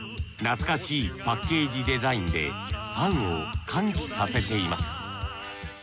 懐かしいパッケージデザインでファンを歓喜させています。